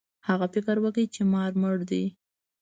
هغه فکر وکړ چې مار مړ دی.